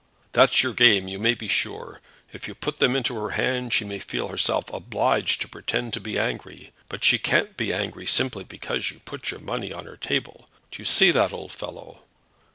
"That's your game, you may be sure. If you put them into her hand she may feel herself obliged to pretend to be angry; but she can't be angry simply because you put your money on her table. Do you see that, old fellow?"